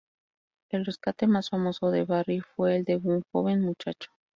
El rescate más famoso de Barry fue el de un joven muchacho.